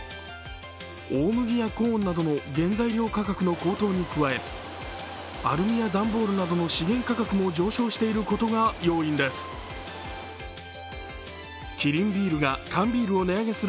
大麦やコーンなどの原材料価格の高騰に加えアルミや段ボールなどの資源価格も上昇していることが要因です。